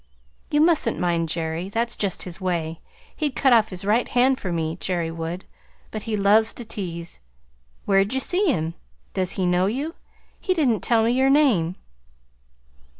"You mustn't mind Jerry. That's just his way. He'd cut off his right hand for me Jerry would; but he loves to tease. Where'd you see him? Does he know you? He didn't tell me your name."